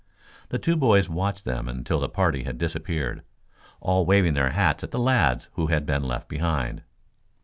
The two boys watched them until the party had disappeared, all waving their hats at the lads who had been left behind.